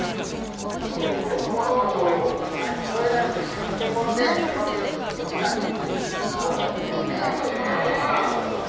しょうゆダレと一緒につけ込んで低温で４時間じっくりと煮込んだものですね。